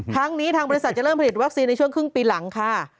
ทั้งนี้ทางบริษัทจะเริ่มผลิตวัคซีนในช่วงครึ่งปีหลังค่ะ